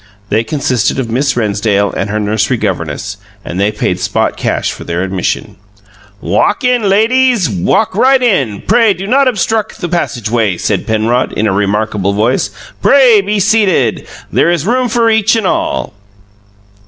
They consisted of Miss Rennsdale and her nursery governess, and they paid spot cash for their admission. "Walk in, lay deeze, walk right in pray do not obstruck the passageway," said Penrod, in a remarkable voice. "Pray be seated; there is room for each and all."